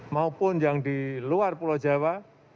maupun yang di luar pulau jawa